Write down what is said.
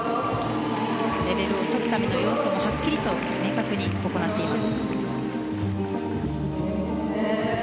レベルをとるための要素もはっきりと明確に行っています。